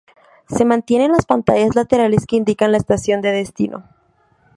Se mantienen las pantallas laterales, que indican la estación de destino.